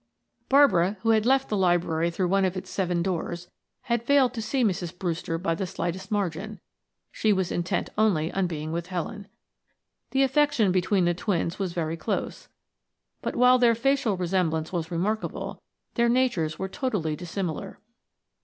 Barbara, who had left the library through one of its seven doors, had failed to see Mrs. Brewster by the slightest margin; she was intent only on being with Helen. The affection between the twins was very close; but while their facial resemblance was remarkable, their natures were totally dissimilar.